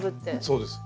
そうです。